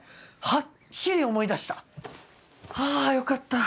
はっきり思い出したあぁよかった。